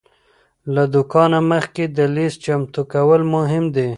له دوکانه مخکې د لیست چمتو کول مهم دی.